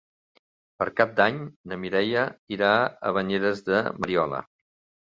Per Cap d'Any na Mireia irà a Banyeres de Mariola.